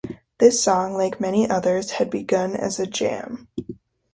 This song, like many others, had begun as a jam.